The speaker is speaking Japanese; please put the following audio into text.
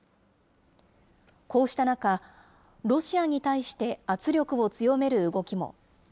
こうした中、ロシアに対して圧力を強める動きも。